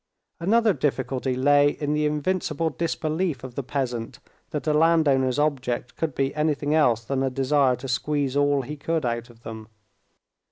Another difficulty lay in the invincible disbelief of the peasant that a landowner's object could be anything else than a desire to squeeze all he could out of them.